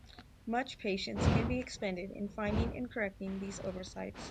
Much patience can be expended in finding and correcting these oversights.